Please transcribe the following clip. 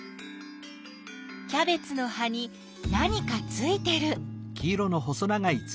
キャベツの葉に何かついてる。